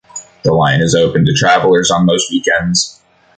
The line is open to travellers on most weekends.